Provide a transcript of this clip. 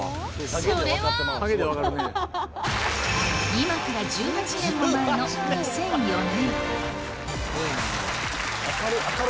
それは今から１８年も前の２００４年。